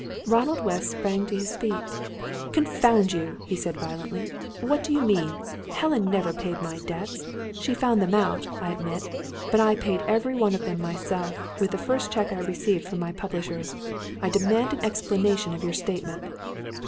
Ronald West sprang to his feet. "Confound you!" he said, violently. "What do you mean? Helen never paid my debts! She found them out, I admit; but I paid them every one myself, with the first cheque I received from my publishers. I demand an explanation of your statement."